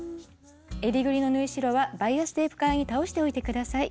襟ぐりの縫い代はバイアステープ側に倒しておいて下さい。